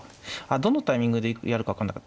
どのタイミングでやるか分かんなかった。